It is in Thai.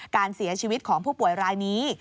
การเสียชีวิตของผู้ป่วยรายนี้